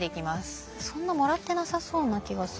そんなもらってなさそうな気がする。